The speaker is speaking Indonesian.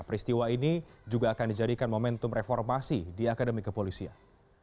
peristiwa ini juga akan dijadikan momentum reformasi di akademi kepolisian